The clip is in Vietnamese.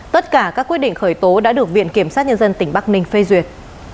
tất cả các quyết định khởi tố đã được viện kiểm sát nhân dân tỉnh bắc ninh phê duyệt